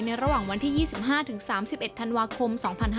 ระหว่างวันที่๒๕๓๑ธันวาคม๒๕๕๙